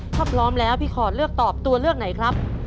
ถ้าพร้อมแล้วพี่ขอดเลือกตอบตัวเลือกไหนครับ